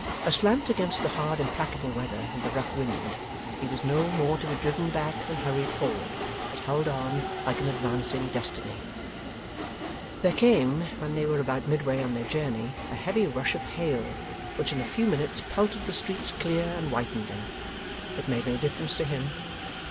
Aslant against the hard implacable weather and the rough wind, he was no more to be driven back than hurried forward, but held on like an advancing Destiny. There came, when they were about midway on their journey, a heavy rush of hail, which in a few minutes pelted the streets clear, and whitened them. It made no difference to him.